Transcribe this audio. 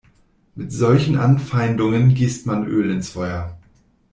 Mit solchen Anfeindungen gießt man Öl ins Feuer.